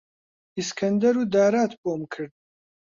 ئیسکەندەر و دارات بۆم کرد،